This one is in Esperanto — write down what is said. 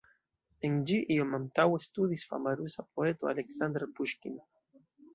En ĝi iom antaŭe studis fama rusa poeto Aleksandr Puŝkin.